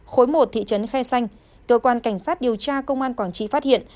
khối một thị trấn khe xanh cơ quan cảnh sát điều tra công an quảng trị phát hiện